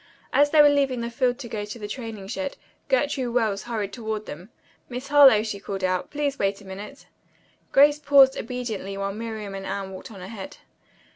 As they were leaving the field to go to the training shed Gertrude Wells hurried toward them. "Miss Harlowe," she called, "please wait a minute." Grace paused obediently while Miriam and Anne walked on ahead.